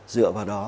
dựa vào đó